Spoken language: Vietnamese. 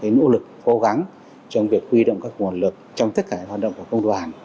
nỗ lực cố gắng trong việc huy động các nguồn lực trong tất cả hoạt động của công đoàn